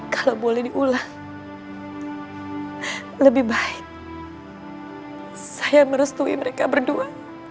kalau boleh diulang lebih baik saya merestui mereka berdua